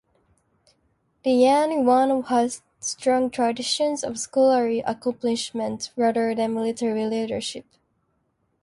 The Chen Yuan had strong traditions of scholarly accomplishment rather than military leadership.